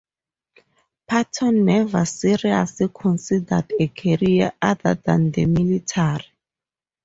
Patton never seriously considered a career other than the military.